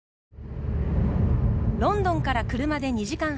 ロンドンから車で２時間半。